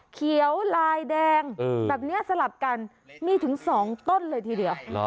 เขียวลายแดงแบบนี้สลับกันมีถึง๒ต้นเลยทีเดียว